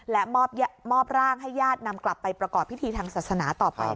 และมอบร่างให้ญาตินำกลับไปประกอบพิธีทางศาสนาต่อไป